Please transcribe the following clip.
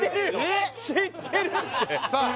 知ってるってさあ